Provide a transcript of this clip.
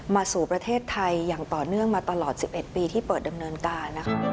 สู่ประเทศไทยอย่างต่อเนื่องมาตลอด๑๑ปีที่เปิดดำเนินการนะคะ